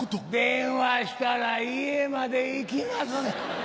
電話したら家まで行きます。